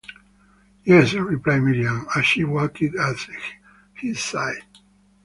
“Yes,” replied Miriam, as she walked at his side.